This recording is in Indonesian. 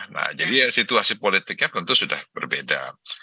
nah jadi situasi politiknya tentu sudah berbeda